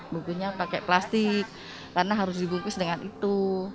bukunya pakai plastik karena harus dibungkus dengan itu